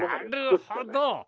なるほど！